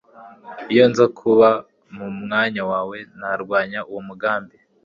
Iyo nza kuba mu mwanya wawe narwanya uwo mugambi